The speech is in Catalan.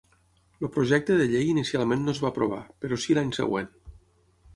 El projecte de llei inicialment no es va aprovar, però sí l'any següent.